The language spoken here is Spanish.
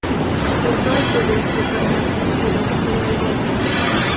Cursó estudios de Farmacia y Filosofía y Letras.